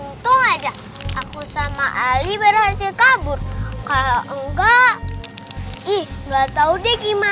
untung aja aku sama ali berhasil kabur kalau enggak ih nggak tahu deh gimana